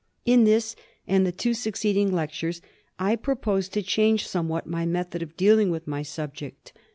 * In this and the two succeeding lectures I propose to change somewhat my method of dealing with my subject.